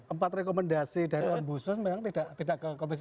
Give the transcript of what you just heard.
empat rekomendasi dari ombusus memang tidak ke komisi satu